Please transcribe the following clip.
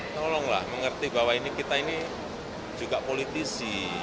tolonglah mengerti bahwa ini kita ini juga politisi